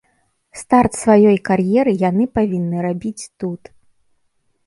Старт сваёй кар'еры яны павінны рабіць тут.